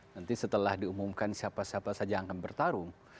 nanti setelah diumumkan siapa siapa saja yang akan bertarung